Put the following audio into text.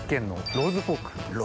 ローズポーク。